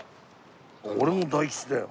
俺も大吉だよ。